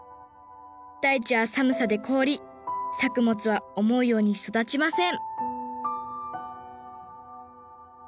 大地は寒さで凍り作物は思うように育ちません